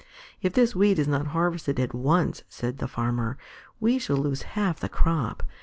"If this wheat is not harvested at once," said the Farmer, "we shall lose half the crop.